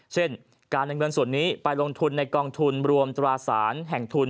เช่นการนำเงินส่วนนี้ไปลงทุนในกองทุนรวมตราสารแห่งทุน